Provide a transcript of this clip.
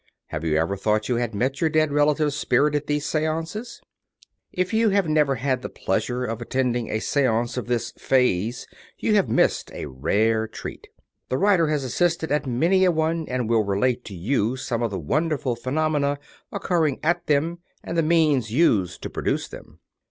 Have you ever thought you had met your dead relative's spirit at these " seances '*? If you have never had the pleasure of attending a seance of this " phase you have missed a rare treat. The writer has assisted at many a one and will relate to you some of the wonderful phenomena occurring at them and the means used to produce them.